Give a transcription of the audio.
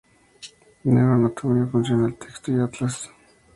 Neuroanatomía funcional: Texto y atlas.